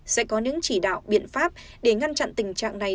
sẽ có những chỉ đạo biện pháp để ngăn chặn tình trạng này